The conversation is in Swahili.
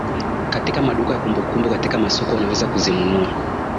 katika maduka ya kumbukumbu katika masoko unaweza kuzinunua